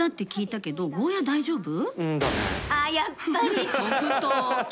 やっぱり即答。